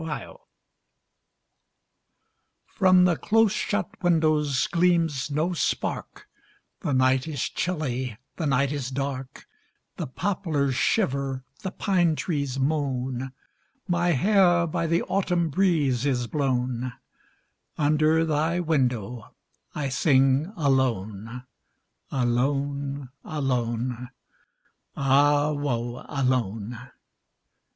SERENADE. From the close shut windows gleams no spark, The night is chilly, the night is dark, The poplars shiver, the pine trees moan, My hair by the autumn breeze is blown, Under thy window I sing alone, Alone, alone, ah woe! alone!